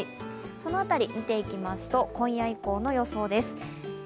そのあたり、見ていきますと今夜以降の予想です。